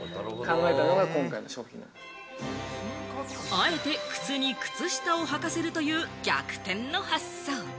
あえて靴に靴下を履かせるという逆転の発想。